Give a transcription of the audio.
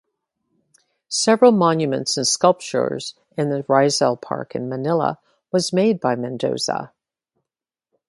Several monuments and sculptures in the Rizal Park in Manila was made by Mendoza.